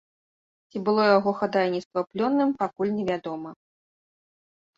Ці было яго хадайніцтва плённым, пакуль невядома.